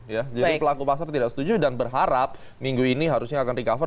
jadi pelaku pasar tidak setuju dan berharap minggu ini harusnya akan recover